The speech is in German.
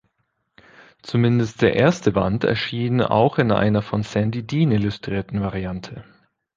Zumindest der erste Band erschien auch in einer von Sandy Dean illustrierten Variante.